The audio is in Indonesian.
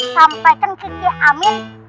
sampaikan ke dia amin